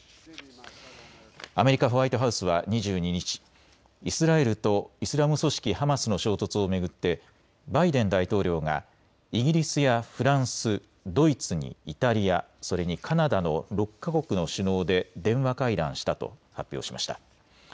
アメリカ・ホワイトハウスは２２日、イスラエルとイスラム組織ハマスの衝突を巡ってバイデン大統領がイギリスやフランス、ドイツにイタリア、それにカナダの６か国の首脳で電話会談したと発表しました。